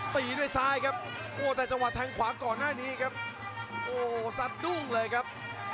ตีด้วยซ้ายกันแต่สมมุติแต่ทางขวาก่อนแน่นี้อ๋อสาดดุ้งเลยครับ